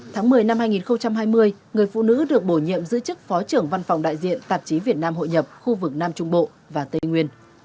tháng một mươi năm hai nghìn hai mươi người phụ nữ được bổ nhiệm giữ chức phó trưởng văn phòng đại diện tạp chí việt nam hội nhập khu vực nam trung bộ và tây nguyên